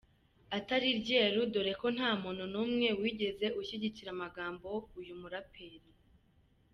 atari ryeru dore ko ntamuntu numwe wigeze ushyigikira amagambo uyu muraperi.